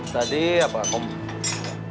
tadi apa kompor